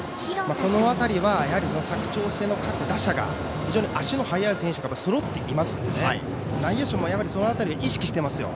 この辺りは佐久長聖の各打者が非常に足の速い選手がそろっていますので内野手もその辺りは意識していますよ。